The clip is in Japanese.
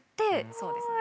そうですね。